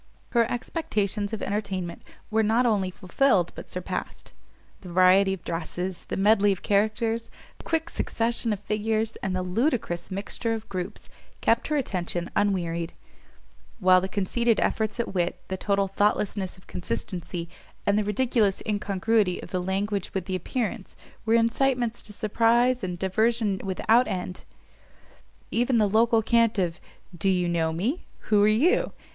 Her expectations of entertainment were not only fulfilled but surpassed; the variety of dresses, the medley of characters, the quick succession of figures, and the ludicrous mixture of groups, kept her attention unwearied: while the conceited efforts at wit, the total thoughtlessness of consistency, and the ridiculous incongruity of the language with the appearance, were incitements to surprise and diversion without end. Even the local cant of, _Do you know me? Who are you?